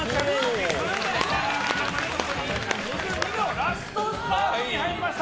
ラストスパートに入りました。